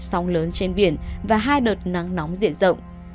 sóng lớn trên biển và hai đợt nắng nóng diện rộng